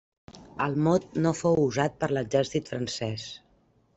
El mot no fou usat per l'exèrcit francès.